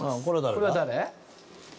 これは誰だ？